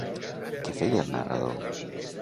Què feia el narrador?